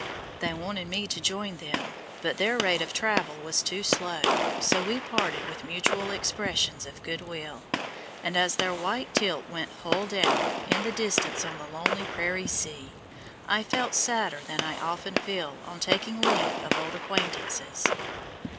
They wanted me to join them, but their rate of travel was too slow, so we parted with mutual expressions of good will, and as their white tilt went "hull down" in the distance on the lonely prairie sea, I felt sadder than I often feel on taking leave of old acquaintances.